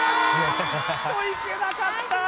いけなかった！